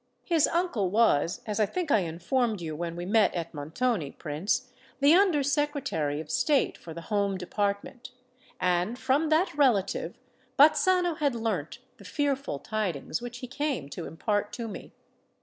His uncle was, as I think I informed you when we met at Montoni, Prince, the Under Secretary of State for the Home Department; and from that relative Bazzano had learnt the fearful tidings which he came to impart to me.